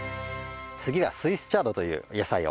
次はスイスチャードという野菜を。